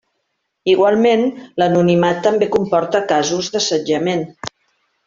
Igualment, l'anonimat també comporta casos d'assetjament.